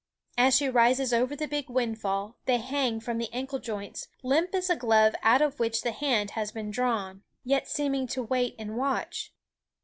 As she rises over the big windfall, they hang from the ankle joints, limp as a glove out of which the hand has been drawn, yet seeming to wait and watch.